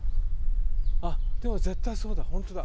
あっでも絶対そうだ本当だ。